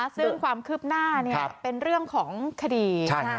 ซึ่งความคืบหน้าเป็นเรื่องของคดี